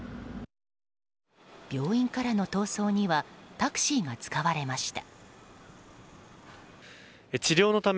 病院からの逃走にはタクシーが使われました。